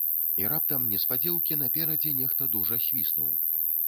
І раптам неўспадзеўкі наперадзе нехта дужа свіснуў.